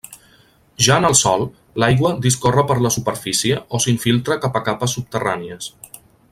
Ja en el sòl, l'aigua discorre per la superfície o s'infiltra cap a capes subterrànies.